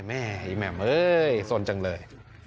แมมเสนอเลย